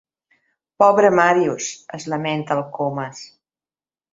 Pobre Màrius —es lamenta el Comas—.